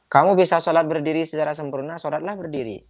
kamu bisa sholat berdiri secara sempurna sholatlah berdiri